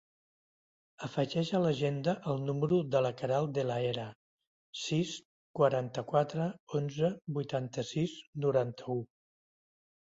Afegeix a l'agenda el número de la Queralt De La Hera: sis, quaranta-quatre, onze, vuitanta-sis, noranta-u.